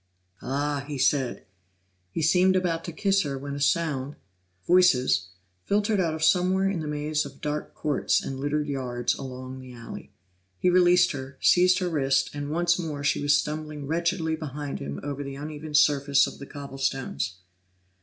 "Ah!" he said. He seemed about to kiss her when a sound voices filtered out of somewhere in the maze of dark courts and littered yards along the alley. He released her, seized her wrist, and once more she was stumbling wretchedly behind him over the uneven surface of the cobblestones.